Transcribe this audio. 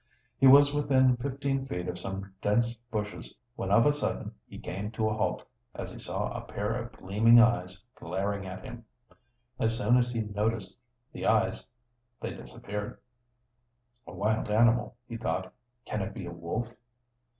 He was within fifteen feet of some dense bushes when of a sudden he came to a halt, as he saw a pair of gleaming eyes glaring at him. As soon as he noticed the eyes they disappeared. "A wild animal," he thought. "Can it be a wolf?"